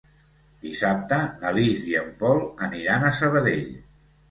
Dissabte na Lis i en Pol aniran a Sabadell.